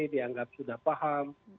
dianggap sudah paham